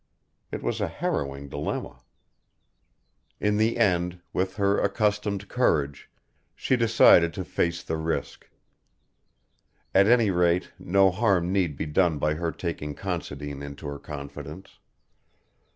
It was a harrowing dilemma. In the end, with her accustomed courage, she decided to face the risk. At any rate no harm need be done by her taking Considine into her confidence.